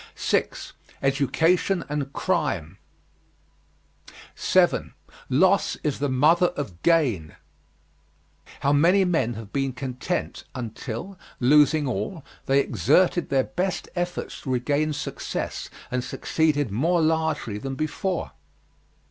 6. EDUCATION AND CRIME. 7. LOSS IS THE MOTHER OF GAIN. How many men have been content until, losing all, they exerted their best efforts to regain success, and succeeded more largely than before.